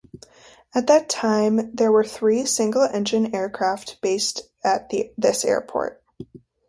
At that time there were three single-engine aircraft based at this airport.